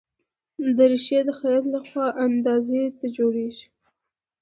دریشي د خیاط له خوا اندازې ته جوړیږي.